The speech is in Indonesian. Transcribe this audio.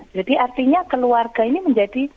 jadi artinya keluarga ini menjadi